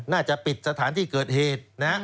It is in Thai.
น่าจะปิดสถานที่เกิดเหตุนะ